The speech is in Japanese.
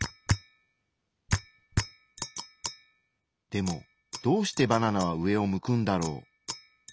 でもどうしてバナナは上を向くんだろう？